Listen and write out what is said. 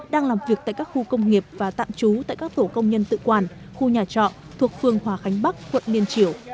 đang làm việc tại các khu công nghiệp và tạm trú tại các tổ công nhân tự quản khu nhà trọ thuộc phường hòa khánh bắc quận liên triểu